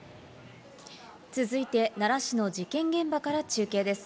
続いて奈良市の事件現場から中継です。